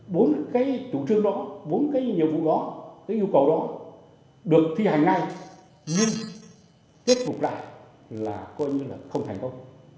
bốn cái chủ trương đó bốn cái nhiệm vụ đó cái yêu cầu đó được thi hành ngay nhưng thuyết phục lại là coi như là không thành công